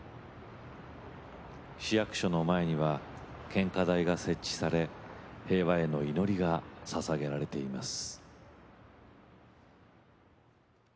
市役所の前には献花台が設置され平和への祈りがささげられています。